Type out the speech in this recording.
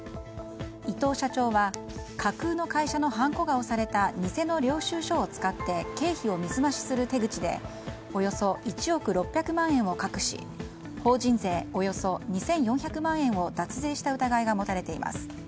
伊藤社長は架空の会社のはんこが押された偽の領収書を使って経費を水増しする手口でおよそ１億６００万円を隠し法人税およそ２４００万円を脱税した疑いが持たれています。